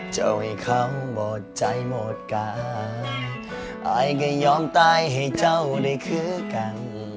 เจ้าให้เขาหมดใจหมดกายอายก็ยอมตายให้เจ้าได้คือกัน